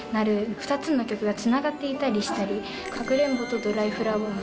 ２つの曲がつながっていたりしたり、かくれんぼとドライフラワー。